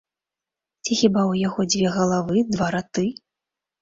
Ці хіба ў яго дзве галавы, два раты?